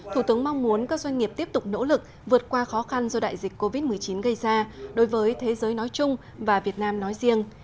thủ tướng mong muốn các doanh nghiệp tiếp tục nỗ lực vượt qua khó khăn do đại dịch covid một mươi chín gây ra đối với thế giới nói chung và việt nam nói riêng